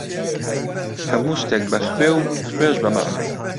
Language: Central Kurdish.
هەموو شتێک بە خوێ، و خوێش بە مەعنا.